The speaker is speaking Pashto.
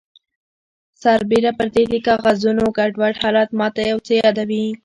سربیره پردې د کاغذونو ګډوډ حالت ماته یو څه یادوي